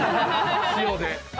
塩で。